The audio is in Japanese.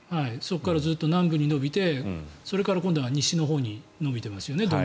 そこからずっと南部に伸びてそれから今度は西のほうに伸びてますよね